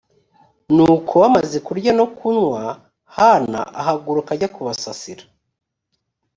nuko bamaze kurya no kunywa hana ahaguruka ajya kubasasira